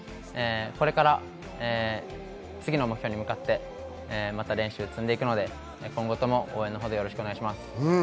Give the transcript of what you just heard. これから次の目標に向かってまた練習を積んでいくので、今後とも応援のほどよろしくお願いします。